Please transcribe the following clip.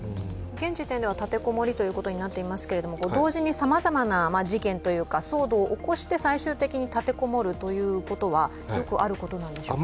現時点では立て籠もりということになっていますが、同時にさまざまな事件といいますか騒動を起こして、最終的に立て籠もるということはよくあることなんでしょうか？